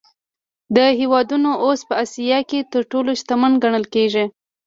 دا هېوادونه اوس په اسیا کې تر ټولو شتمن ګڼل کېږي.